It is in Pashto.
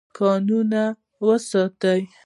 کانونه وساتئ.